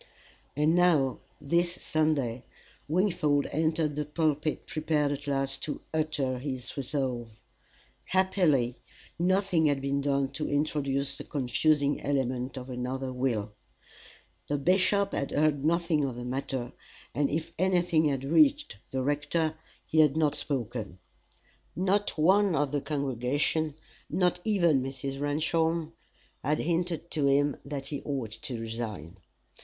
And now this Sunday, Wingfold entered the pulpit prepared at last to utter his resolve. Happily nothing had been done to introduce the confusing element of another will. The bishop had heard nothing of the matter, and if anything had reached the rector, he had not spoken. Not one of the congregation, not even Mrs. Ramshorn, had hinted to him that he ought to resign.